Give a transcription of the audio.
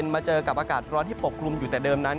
มาเจอกับอากาศร้อนที่ปกคลุมอยู่แต่เดิมนั้น